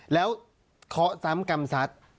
แล้วเค้าสร้ำกำซัด